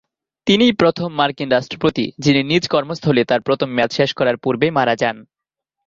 তিনিই প্রথম মার্কিন রাষ্ট্রপতি, যিনি নিজ কর্মস্থলে তার প্রথম মেয়াদ শেষ করার পূর্বেই মারা যান।